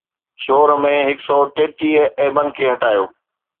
سُور ۾ هڪ سؤ ٽيٽيهه عيبن کي هٽايو